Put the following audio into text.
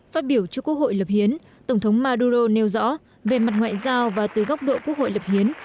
phát biểu trước quốc hội lập hiến tổng thống maduro nêu rõ về mặt ngoại giao và từ góc độ quốc hội lập hiến